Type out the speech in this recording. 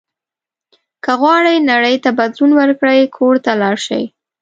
که غواړئ نړۍ ته بدلون ورکړئ کور ته لاړ شئ.